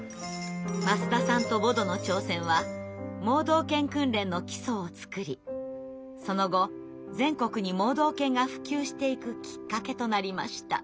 舛田さんとボドの挑戦は盲導犬訓練の基礎を作りその後全国に盲導犬が普及していくきっかけとなりました。